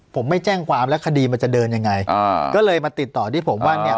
ผมไม่แจ้งความแล้วคดีมันจะเดินยังไงอ่าก็เลยมาติดต่อที่ผมว่าเนี่ย